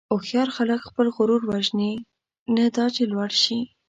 هوښیار خلک خپل غرور وژني، نه دا چې لوړ شي.